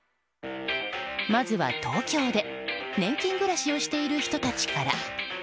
まずは東京で年金暮らしをしている人たちから。